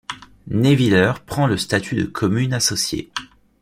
Nehwiller prend le statut de commune associée.